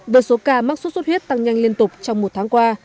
với số ca mắc sốt xuất huyết tăng nhanh liên tục trong một tháng qua